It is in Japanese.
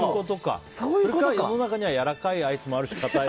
世の中にはやわらかいアイスもあるし硬い